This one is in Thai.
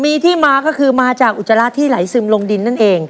มีที่มาก็คือมาจากอุจจาระที่ไหลซึมลงดินนั่นเอง